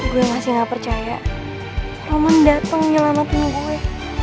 gue masih gak percaya roman datang menyelamatin gue